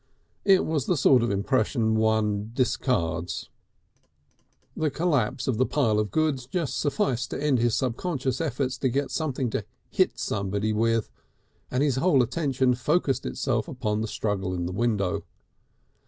It was the sort of impression one disregards. The collapse of the pile of goods just sufficed to end his subconscious efforts to get something to hit somebody with, and his whole attention focussed itself upon the struggle in the window.